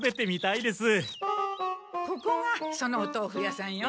ここがそのお豆腐屋さんよ。